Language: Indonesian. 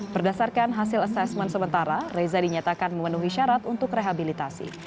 berdasarkan hasil asesmen sementara reza dinyatakan memenuhi syarat untuk rehabilitasi